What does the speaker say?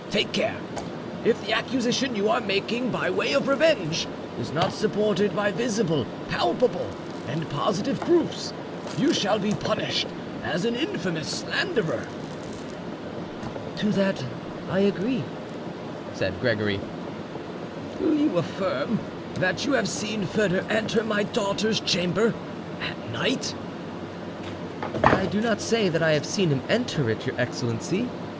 Take care, if the accusation you are making by way of revenge is not supported by visible, palpable, and positive proofs, you shall be punished as an infamous slanderer." "To that I agree," said Gregory. "Do you affirm that you have seen Foedor enter my daughter's chamber at night?" "I do not say that I have seen him enter it, your excellency.